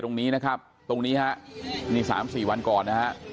ตรงนี้นะครับตรงนี้ฮะนี่๓๔วันก่อนนะฮะ